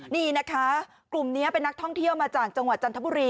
นี่นะคะกลุ่มนี้เป็นนักท่องเที่ยวมาจากจังหวัดจันทบุรี